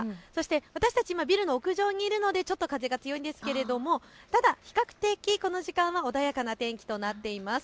私たち今ビルの屋上にいるのでちょっと風が強いですけれどもただ比較的この時間は穏やかな天気となっています。